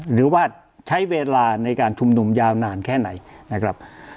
หรือว่าใช้เวลาในการชุมนุมยาวนานแค่ไหนนะครับ